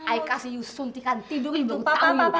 iy kasi yuk suntikan tidurin baru tau yuk